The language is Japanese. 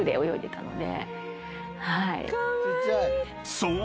［そう。